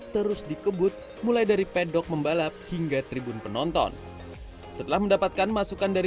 terus dikebut mulai dari pedok membalap hingga tribun penonton setelah mendapatkan masukan dari